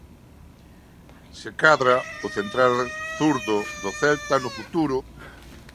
Se cadra o central zurdo do Celta no futuro.